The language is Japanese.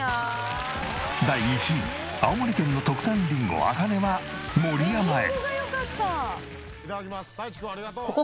第１位青森県の特産りんごあかねは盛山へ。